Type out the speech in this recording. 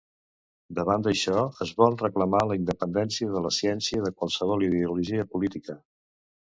Davant d'això es vol reclamar la independència de la ciència de qualsevol ideologia política.